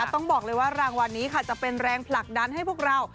ต้องบอกเลยว่ารางวัลนี้ค่ะจะเป็นแรงผลักดันให้พวกเรา